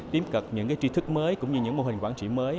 tiếp cận những tri thức mới cũng như những mô hình quản trị mới